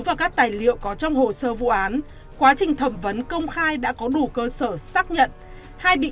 và các tài liệu có trong hồ sơ vụ án quá trình thẩm vấn công khai đã có đủ cơ sở xác nhận bị